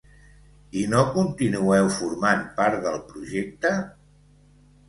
I no continueu formant part del projecte?